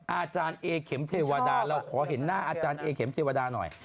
อาจารย์เอเข็มเทวดาเราขอเห็นหน้าอาจารย์เอเข็มเทวดาหน่อย